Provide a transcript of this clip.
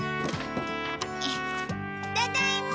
ただいま！